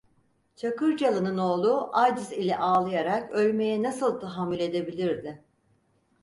Çakırcalı'nın oğlu acz ile ağlayarak ölmeye nasıl tahammül edebilirdi?